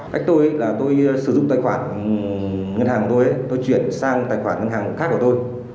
cách tôi là tôi sử dụng tài khoản ngân hàng của tôi tôi chuyển sang tài khoản ngân hàng khác của tôi